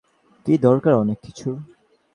এক্ষণে তীর্থযাত্রা দ্বারা দেহ পবিত্র করা উচিত।